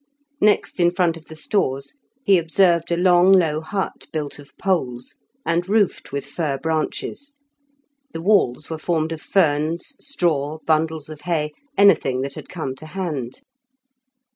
Next in front of the stores he observed a long, low hut built of poles, and roofed with fir branches; the walls were formed of ferns, straw, bundles of hay, anything that had come to hand.